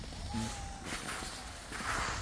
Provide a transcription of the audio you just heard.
enerkaq